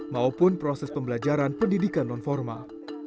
maupun proses pembelajaran pendidikan nonformal